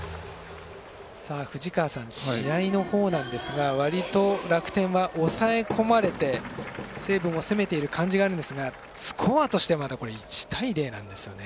藤川さん、試合の方なんですが割と、楽天は抑え込まれて西武も攻めている感じはあるんですがスコアとしては１対０なんですよね。